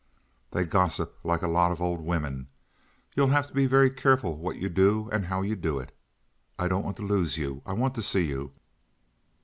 They gossip like a lot of old women. You'll have to be very careful what you do and how you do it. I don't want to lose you. I want to see you.